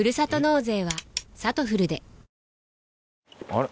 あれ？